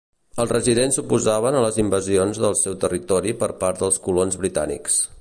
Els residents s'oposaven a les invasions del seu territori per part dels colons britànics.